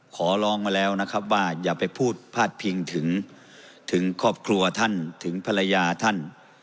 ขอร้องมาแล้วนะครับว่าอย่าไปพูดพาดพิงถึงครอบครัวท่านถึงภรรยาท่าน